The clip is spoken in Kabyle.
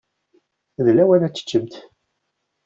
D lawan ad teččemt.